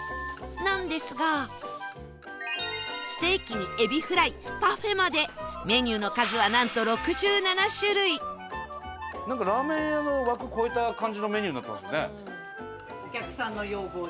なんですがステーキにエビフライパフェまでメニューの数はなんと６７種類なんかラーメン屋の枠超えた感じのメニューになってますよね。